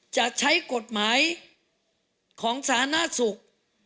จะใช้กฎหมายของสาธารณสุข